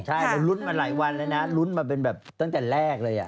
ใช่เรารุ้นมาหลายวันแล้วนะลุ้นมาเป็นแบบตั้งแต่แรกเลย